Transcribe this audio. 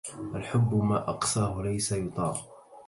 الحب ما أقساه ليس يطاق